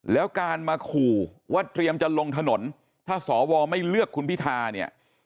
แล้วการมาขู่ว่าเตรียมจะลงถนนถ้าสวไม่เลือกคุณพิธาเนี่ย